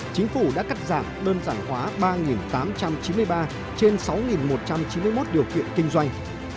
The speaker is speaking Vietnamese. chính phủ đã cắt giảm đơn giản hóa ba tám trăm chín mươi ba trên sáu một trăm chín mươi một điều kiện kinh doanh